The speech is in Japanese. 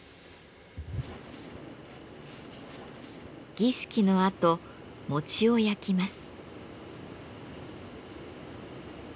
儀式のあと餅を焼きます。